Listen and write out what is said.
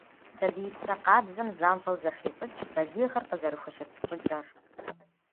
Сабиипсэ къабзэм занщӀэу зэхещӀыкӀ балигъыр къызэрыхущыт щӀыкӀэр.